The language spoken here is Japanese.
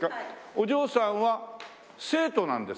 お嬢さんは生徒なんですか？